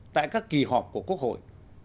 tại các kỳ họp của quốc hội